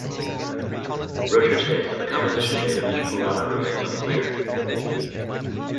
Rocher states that the composition date of each Purana remains unclear.